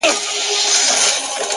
• عاقل نه سوې چي مي څومره خوارۍ وکړې..